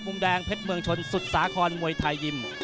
มุมแดงเพชรเมืองชนสุดสาครมวยไทยยิม